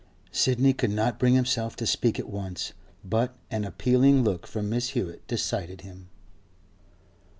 Sidney could not bring himself to speak at once, but an appealing look from Mrs. Hewett decided him.